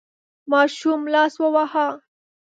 ماشوم لاس وواهه.